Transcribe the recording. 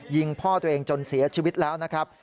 ยิงพ่อตัวเองจนเสียชีวิตแล้วนะครับ